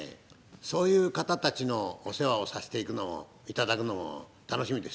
そういう方たちのお世話をさせていただくのも楽しみでしたね。